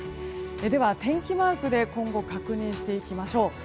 では天気マークで今後を確認していきましょう。